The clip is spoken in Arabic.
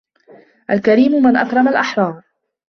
الكريم من أكرم الأحرار